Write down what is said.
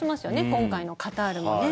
今回のカタールもね